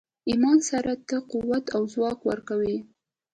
ایمان سړي ته قوت او ځواک ورکوي